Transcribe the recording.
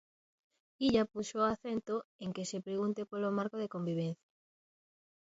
Illa puxo o acento en que se pregunte polo marco de convivencia.